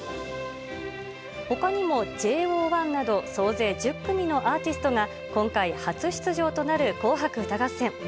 ほかにも、ＪＯ１など、総勢１０組のアーティストが今回、初出場となる紅白歌合戦。